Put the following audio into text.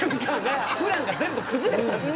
プランが全部崩れたんですよ。